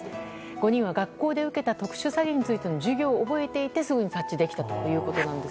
５人は、学校で受けた特殊詐欺についての授業を覚えていてすぐに察知できたということです。